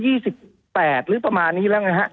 หรือประมาณนี้แล้วไงฮะ